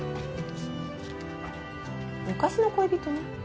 昔の恋人に？